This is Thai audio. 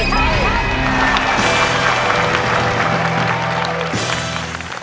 ไม่ใช้